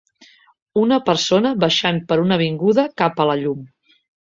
Una persona baixant per una avinguda cap a la llum.